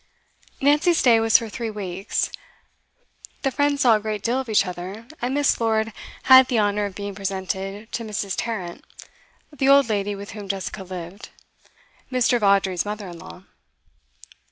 Nancy's stay was for three weeks. The friends saw a great deal of each other, and Miss. Lord had the honour of being presented to Mrs. Tarrant, the old lady with whom Jessica lived, Mr. Vawdrey's mother in law.